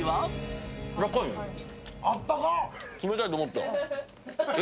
冷たいと思ったら。